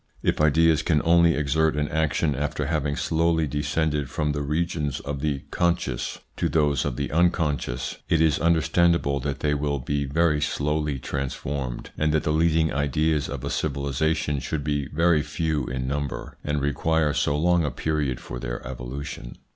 If ideas can only exert an action after having slowly descended from the regions of the conscious to those 170 THE PSYCHOLOGY OF PEOPLES: of the unconscious, it is understandable that they will be very slowly transformed, and that the leading ideas of a civilisation should be very few in number, and require so long a period for their evolution.